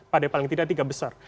paling tidak tiga besar